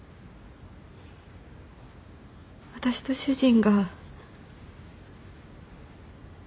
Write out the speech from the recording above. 私と主人が。